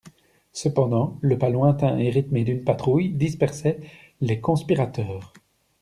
Cependant le pas lointain et rythmé d'une patrouille dispersait les conspirateurs.